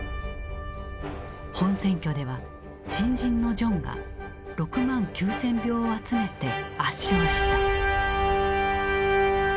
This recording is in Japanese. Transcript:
本選挙では新人のジョンが６万９，０００票を集めて圧勝した。